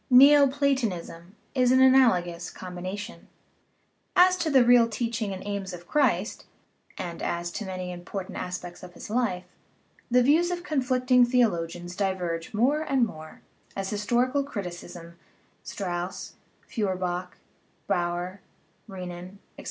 Neoplatonism is an analogous combination. As to the real teaching and aims of Christ (and as to many important aspects of his life) the views of con flicting theologians diverge more and more, as histori cal criticism (Strauss, Feuerbach, Baur, Renan, etc.)